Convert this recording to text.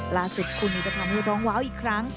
ล่าสุดครูนี้จะทำให้ร้องวาวอีกครั้ง